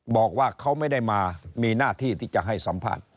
บอกว่าเขาไม่ได้มามีหน้าที่ที่จะให้สัมภาษณ์